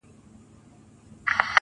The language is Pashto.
را ژوندی سوی يم، اساس يمه احساس يمه.